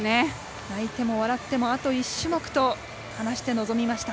泣いても笑ってもあと１種目と話して臨みました。